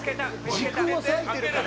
時空を裂いてるから」